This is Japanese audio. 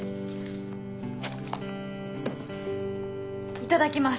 いただきます。